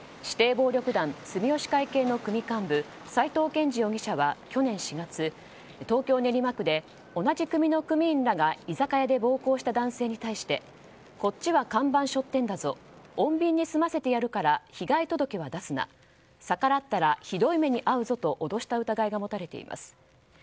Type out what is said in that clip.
指定暴力団住吉会系の組幹部斎藤賢二容疑者は去年４月、東京・練馬区で同じ組の組員らが居酒屋で暴行した男性に対してこっちは看板背負ってんだぞ穏便に済ませてやるから被害届は出すな逆らったらひどい目にあうぞと脅した疑いがもたれています。